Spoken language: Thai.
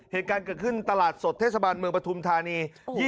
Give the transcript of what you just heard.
เหตุการณ์เกิดขึ้นตลาดสดเทศบาลเมืองปฐุมธานี